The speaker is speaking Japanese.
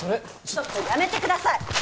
ちょっとやめてください！